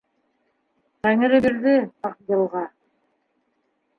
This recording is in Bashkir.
Тәңребирҙе, Аҡйылға...